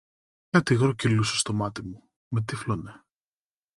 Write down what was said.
Κάτι υγρό κυλούσε στο μάτι μου, με τύφλωνε